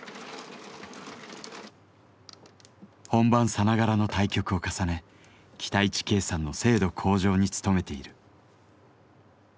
本番さながらの対局を重ね期待値計算の精度向上に努めている。